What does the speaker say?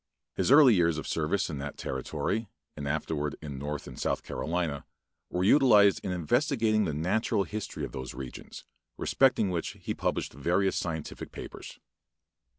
His early years of service in that territory, and afterward in North and South Carolina, were utilized in investigating the natural history of those regions, respecting which he published various scientific papers.